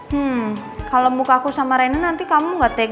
hmm kalau muka aku sama rena nanti kamu gak take